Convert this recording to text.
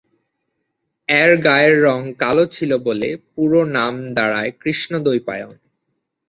এঁর গায়ের রং কালো ছিল বলে, পুরো নাম দাঁড়ায় কৃষ্ণ-দ্বৈপায়ন।